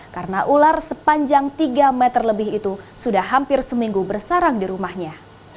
karena ular sepanjang tiga meter lebih itu sudah hampir seminggu bersarang di rumahnya